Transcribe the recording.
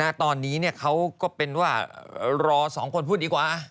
ตอนนี้เนี่ยเขาก็เป็นว่ารอสองคนพูดดีกว่า